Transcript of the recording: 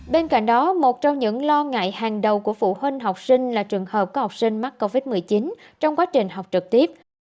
bên cạnh đó một trong những lo ngại hàng đầu của phụ huynh học sinh là trường hợp có học sinh mắc covid một mươi chín trong quá trình học trực tiếp